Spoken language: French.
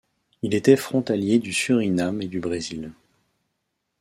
Il était frontalier du Suriname et du Brésil.